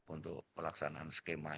untuk pelaksanaan skema